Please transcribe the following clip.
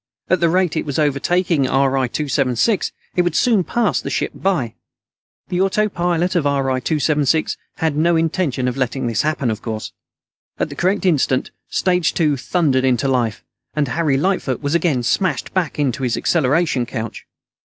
At the rate it was overtaking RI 276, it would soon pass the ship by. The autopilot of RI 276 had no intention of letting this happen, of course. At the correct instant, stage two thundered into life, and Harry Lightfoot was again smashed back into his acceleration couch.